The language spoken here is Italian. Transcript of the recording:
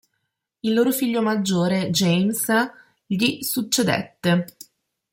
Il loro figlio maggiore, James, gli succedette.